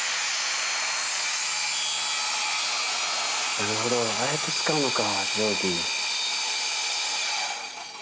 なるほどああやって使うのか。